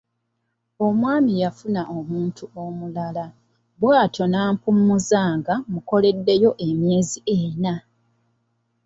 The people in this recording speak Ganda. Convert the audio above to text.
Omwami yafuna omuntu omulala bw'atyo n'ampummuza nga mmukoleddeyo emyezi ena.